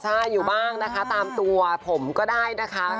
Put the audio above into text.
ใช่อยู่บ้างนะคะตามตัวผมก็ได้นะคะ